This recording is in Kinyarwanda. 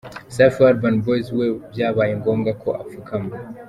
Safi wa Urban Boys we byabaye ngombwa ko apfukama.